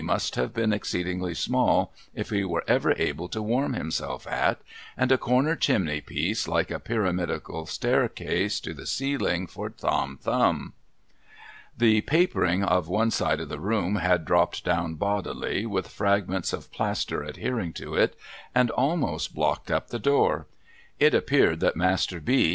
must have been exceedingly small if he were ever able to warm himself at, and a corner chimney piece like a pyramidal staircase to the ceiling for Tom Thumb. The papering of one side of the room had dropped down bodily, with fragments of plaster adhering to it, and almost blocked up the door. It appeared that Master B.